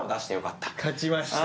勝ちました